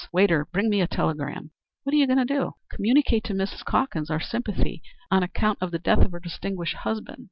Waiter, bring me a telegram." "What are you going to do?" "Communicate to Mrs. Calkins our sympathy on account of the death of her distinguished husband."